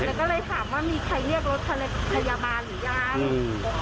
แล้วก็เลยถามว่ามีใครเรียกรถพยาบาลหรือยังอืม